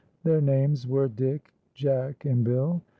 Their names were Dick, Jack, and Bill.